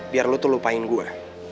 biar lu tuh lupain gue